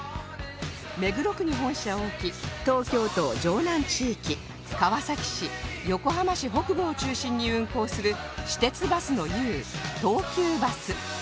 目黒区に本社を置き東京都城南地域川崎市横浜市北部を中心に運行する私鉄バスの雄東急バス